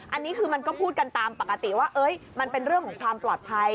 อันนี้คือมันก็พูดกันตามปกติว่ามันเป็นเรื่องของความปลอดภัย